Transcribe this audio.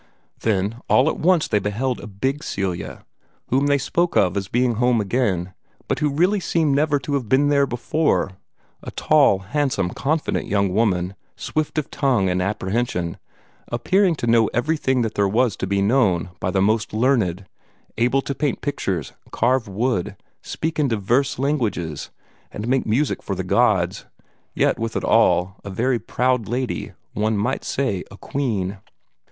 Then all at once they beheld a big Celia, whom they spoke of as being home again, but who really seemed never to have been there before a tall, handsome, confident young woman, swift of tongue and apprehension, appearing to know everything there was to be known by the most learned, able to paint pictures, carve wood, speak in divers languages, and make music for the gods, yet with it all a very proud lady, one might say a queen.